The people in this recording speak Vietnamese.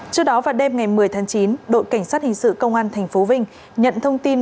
trước đó vào đêm ngày một mươi tháng chín đội cảnh sát hình sự công an tp vinh nhận thông tin